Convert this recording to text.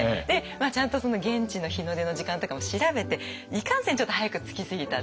ちゃんと現地の日の出の時間とかも調べていかんせんちょっと早く着きすぎたって。